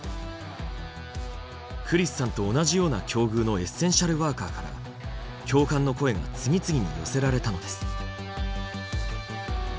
クリスさんと同じような境遇のエッセンシャルワーカーから共感の声が次々に寄せられたのです。